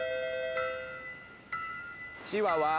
チワワ。